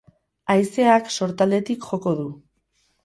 Haizeak sortaldetik joko du.